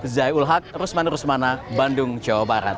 zai ulhak rusman rusmana bandung jawa barat